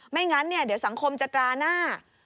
ไม่งั้นเดี๋ยวสังคมจะตราหน้า